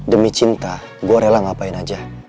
demi cinta gue rela ngapain aja